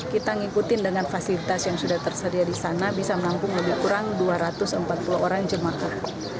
kita ngikutin dengan fasilitas yang sudah tersedia di sana bisa menampung lebih kurang dua ratus empat puluh orang jemaah